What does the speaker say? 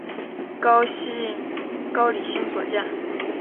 高季兴所建。